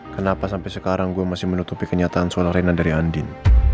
kenapa sampai sekarang gue masih menutupi kenyataan suara rena dari andin